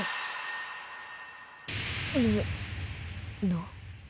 ぬ、の。